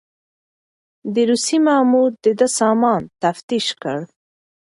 د روسيې مامور د ده سامان تفتيش کړ.